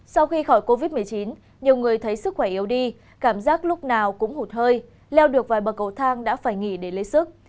sau khi khỏi covid một mươi chín nhiều người thấy sức khỏe yếu đi cảm giác lúc nào cũng hụt hơi leo được vài bậc cầu thang đã phải nghỉ để lấy sức